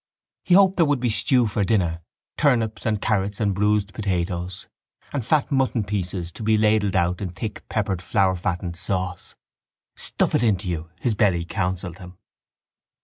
He hoped there would be stew for dinner, turnips and carrots and bruised potatoes and fat mutton pieces to be ladled out in thick peppered flour fattened sauce. Stuff it into you, his belly counselled him.